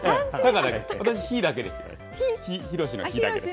私、ひだけです。